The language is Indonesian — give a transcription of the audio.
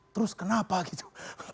terus kenapa gitu